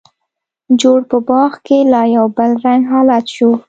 جوړ په باغ کې لا یو بل رنګه حالت شو.